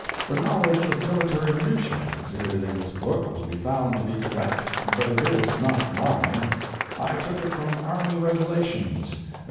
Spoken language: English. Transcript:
The knowledge of military minutiæ exhibited in this book will be found to be correct, but it is not mine; I took it from Army Regulations, ed.